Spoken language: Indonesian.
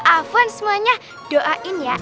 avan semuanya doain ya